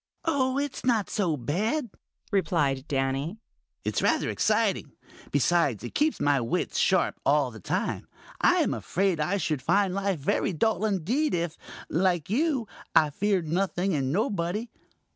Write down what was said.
"Oh, it's not so bad," replied Danny. "It's rather exciting. Besides, it keeps my wits sharp all the time. I am afraid I should find life very dull indeed if, like you, I feared nothing and nobody.